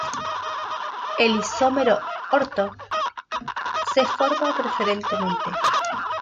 El isómero "orto" se forma preferentemente.